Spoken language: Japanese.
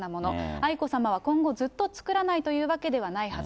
愛子さまは今後ずっと作らないというわけではないはず。